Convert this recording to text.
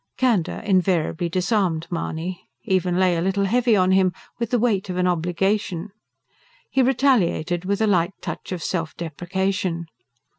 Candour invariably disarmed Mahony even lay a little heavy on him, with the weight of an obligation. He retaliated with a light touch of self depreciation.